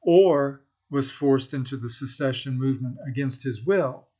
Orr was forced into the secession movement against his will.